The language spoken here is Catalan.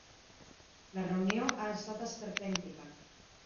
La reunió ha estat esperpèntica.